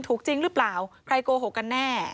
ถูกจริงหรือเปล่าใครโกหกกันแน่